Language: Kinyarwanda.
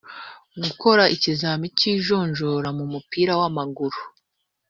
gukora ikizamini cy ijonjora mu mupira wamaguru